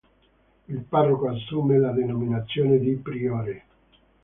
Il parroco assume la denominazione di Priore.